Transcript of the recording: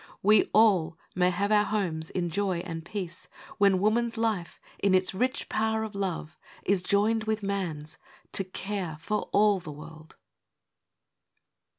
We all may have our homes in joy and peace When woman's life, in its rich power of love Is joined with man's to care for all the world.